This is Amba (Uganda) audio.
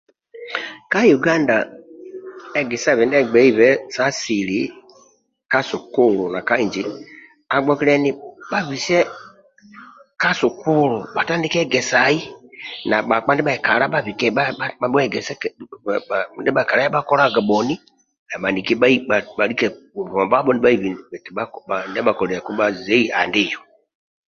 Ka uganda egesabe ndia agbeibe sa asili ka sukulu na ka inji agbokiliani bhabise ka sukulu bhatandike egesai na bhakpa ndibhekala bhabike bha bhuegese ndibhe kala yabhakolaga bhoni na bhaniki bhalike bombabho nibhaibi eti ndia bhakoliliaku bhazei andi eyo